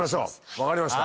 分かりました！